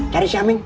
cari si aming